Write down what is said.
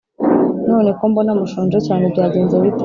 none ko mbona mushonje cyane byagenze bite?